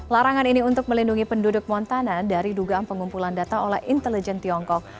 larangan ini untuk melindungi penduduk montana dari dugaan pengumpulan data oleh intelijen tiongkok